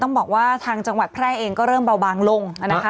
ต้องบอกว่าทางจังหวัดแพร่เองก็เริ่มเบาบางลงนะคะ